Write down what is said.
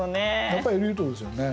やっぱりエリートですよね。